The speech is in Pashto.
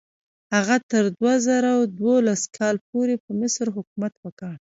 هغه تر دوه زره دولس کال پورې پر مصر حکومت وکړ.